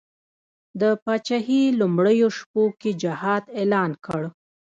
د پاچهي لومړیو شپو کې جهاد اعلان کړ.